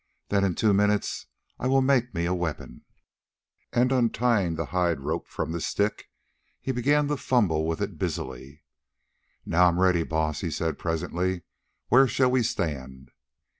"Then in two minutes I will make me a weapon." And, untying the hide rope from the stick, he began to fumble with it busily. "Now I am ready, Baas," he said presently. "Where shall we stand?"